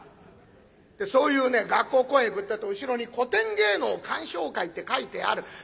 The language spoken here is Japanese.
でそういうね学校公演行くってえと後ろに「古典芸能鑑賞会」って書いてある。